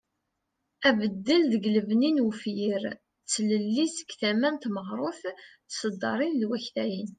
Abeddel deg lbeni n ufyir ,d tlelli seg tama n tmeɣrut d tesddarin d wakaten.